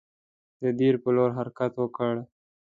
د دیر پر لور حرکت وکړ.